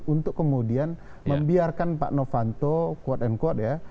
untuk kemudian membiarkan pak novanto quote unquote ya